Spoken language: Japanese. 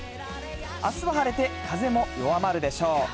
あすは晴れて、風も弱まるでしょう。